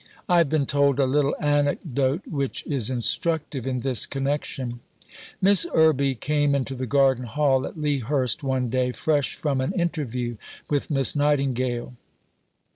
I have been told a little anecdote which is instructive in this connection. Miss Irby came into the garden hall at Lea Hurst one day, fresh from an interview with Miss Nightingale.